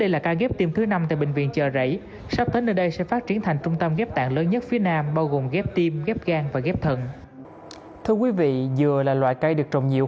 là hai cái chân đồ đứng không được cây đó